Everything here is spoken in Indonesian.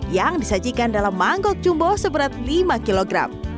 yang disajikan dalam mangkok jumbo seberat lima kg